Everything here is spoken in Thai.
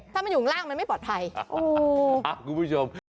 ถ้ามันอยู่ข้างล่างมันไม่ปลอดภัย